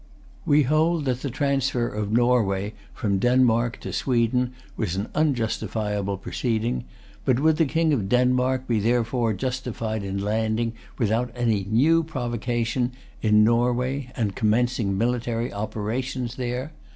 We hold that the transfer of Norway from Denmark to Sweden was an unjustifiable proceeding; but would the King of Denmark be therefore justified in landing, without any new provocation, in Norway, and commencing military operations there?